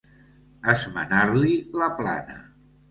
Esmenar-li la plana.